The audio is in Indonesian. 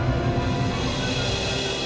apaan sih ini